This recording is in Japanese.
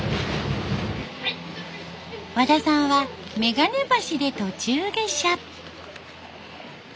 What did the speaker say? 和田さんはめがね橋で途中下車。